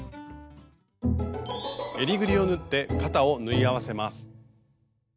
えりぐりを縫って肩を縫い合わせます。